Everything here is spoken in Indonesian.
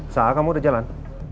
sa kamu udah jalan